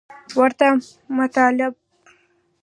ورته مطالب